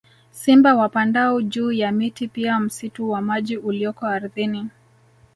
Simba wapandao juu ya miti pia msitu wa maji ulioko ardhini